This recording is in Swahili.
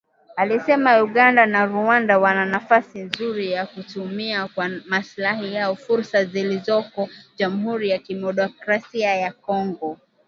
Alisema Uganda na Rwanda wana nafasi nzuri ya kutumia kwa maslahi yao fursa zilizoko Jamuhuri ya kidemokrasia ya Kongo